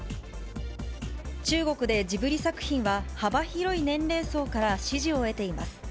中国でジブリ作品は幅広い年齢層から支持を得ています。